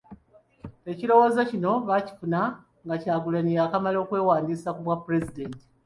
Ekirowoozo kino baakifuna nga Kyagulanyi yaakamala okwewandiisa ku bwapulezidenti .